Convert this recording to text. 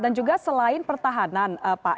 dan juga selain pertahanan pak